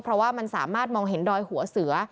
เพราะว่ามันสามารถมองเห็นดอยหัวเสือ